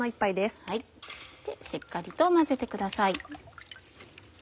しっかりと混ぜてください。